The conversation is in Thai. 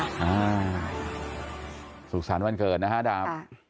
สุขสรรค์วันเกิดนะฮะดาบ